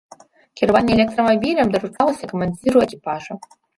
Кіраванне электрамабілем даручалася камандзіру экіпажа.